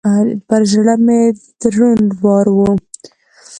پر زړه مي دروند بار و .